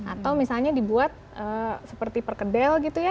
atau misalnya dibuat seperti perkedel gitu ya